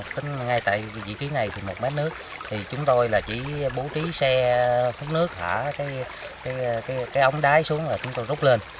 tính ngay tại vị trí này thì một mét nước thì chúng tôi là chỉ bố trí xe hút nước thả cái ống đáy xuống là chúng tôi rút lên